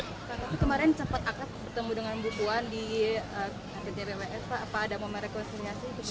tapi kemarin cepat akrab bertemu dengan bu buan di ktpws pak apa ada memarekonsumiasi